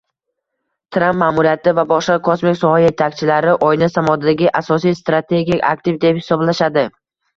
Tramp maʼmuriyati va boshqa kosmik soha yetakchilari Oyni samodagi asosiy strategik aktiv deb hisoblashadi.